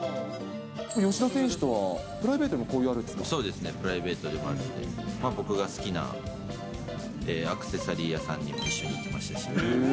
吉田選手とはプライベートでそうですね、プライベートでも、交流があって、僕が好きなアクセサリー屋さんにも一緒に行きましたし。